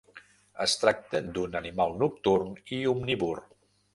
Es tracta d'un animal nocturn i omnívor.